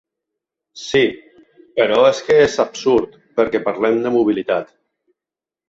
Sí, però és que és absurd perquè parlem de mobilitat.